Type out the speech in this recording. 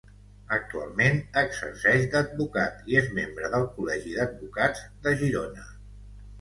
Actualment exerceix d'advocat i és membre del Col·legi d'Advocats de Girona.